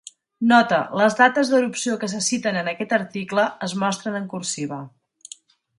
Nota: Les dates d'erupció que se citen en aquest article es mostren en cursiva.